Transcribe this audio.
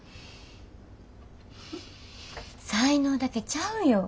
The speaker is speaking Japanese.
才能だけちゃうよ。